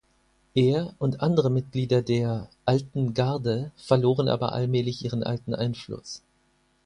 Er und andere Mitglieder der „alten Garde“ verloren aber allmählich ihren alten Einfluss.